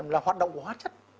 là hoạt động của hóa chất